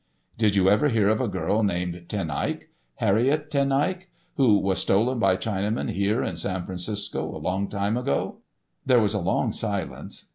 "Did you ever hear of a girl named Ten Eyck—Harriett Ten Eyck—who was stolen by Chinamen here in San Francisco a long time ago?" There was a long silence.